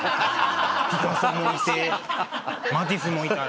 ピカソもいてマティスもいたら。